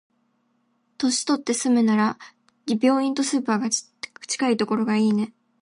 年取って住むなら、病院とスーパーが近いところがいいね。